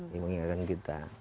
yang mengingatkan kita